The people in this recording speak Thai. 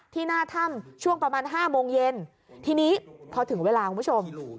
หน้าถ้ำช่วงประมาณห้าโมงเย็นทีนี้พอถึงเวลาคุณผู้ชม